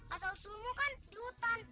asal seluruh kan di hutan